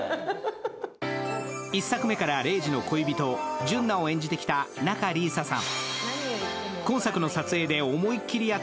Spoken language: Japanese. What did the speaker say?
１作目から玲二の恋人、純奈を演じてきた仲里依紗さん。